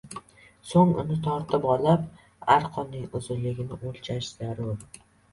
soʻng uni tortib olib, arqonning uzunligini oʻlchash zarur”.